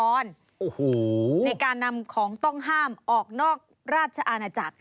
ในการนำของต้องห้ามออกนอกราชอาณาจักร